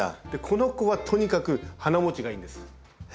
この子はとにかく花もちがいいんです。